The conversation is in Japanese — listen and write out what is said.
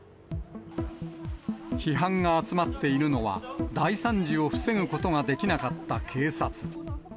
批判が集まっているのは、大惨事を防ぐことができなかった警察。